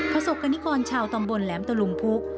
ประสบกรณิกรชาวตำบลแหลมตะลุงพุก